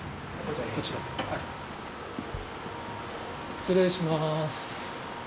失礼します。